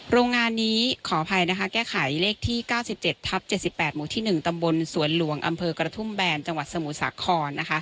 โรงงานนี้ขออภัยนะคะแก้ไขเลขที่๙๗ทับ๗๘หมู่ที่๑ตำบลสวนหลวงอำเภอกระทุ่มแบนจังหวัดสมุทรสาคร